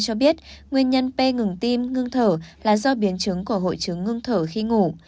cho biết nguyên nhân p ngừng tim ngưng thở là do biến chứng của hội chứng ngưng thở khi ngủ